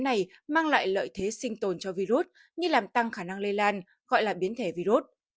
này mang lại lợi thế sinh tồn cho virus như làm tăng khả năng lây lan gọi là biến thể virus